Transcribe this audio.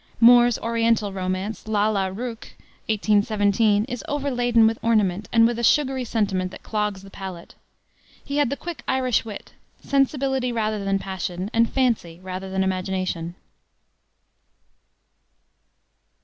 Moore's Oriental romance, Lalla Rookh, 1817, is overladen with ornament and with a sugary sentiment that clogs the palate. He had the quick Irish wit, sensibility rather than passion, and fancy rather than imagination.